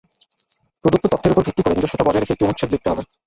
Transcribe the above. প্রদত্ত তথ্যের ওপর ভিত্তি করে নিজস্বতা বজায় রেখে একটি অনুচ্ছেদ লিখতে হবে।